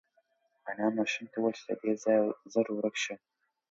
انا ماشوم ته وویل چې له دې ځایه زر ورک شه.